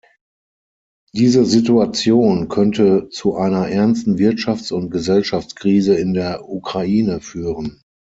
Diese Situation könnte zu einer ernsten Wirtschafts- und Gesellschaftskrise in der Ukraine führen.